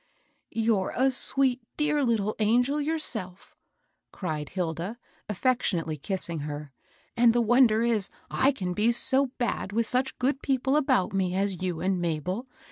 "You're a sweet, dear litde angel yourself 1" cried Hilda, affectionately kissing her ;" and the wonder is I can be so bad with such good people about me as you and Mabel.